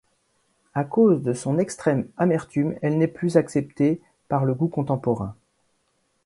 À cause de son extrême amertume elle n'est plus acceptée par le goût contemporain.